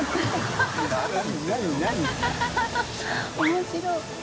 面白い。